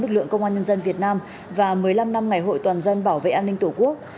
lực lượng công an nhân dân việt nam và một mươi năm năm ngày hội toàn dân bảo vệ an ninh tổ quốc